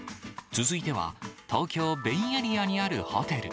続いては、東京ベイエリアにあるホテル。